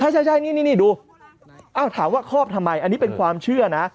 ใช่ใช่ใช่นี่นี่นี่ดูอ้าวถามว่าครอบทำไมอันนี้เป็นความเชื่อน่ะ